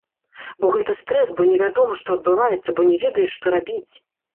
Бо гэта стрэс, бо невядома, што адбываецца, бо не ведаеш, што рабіць.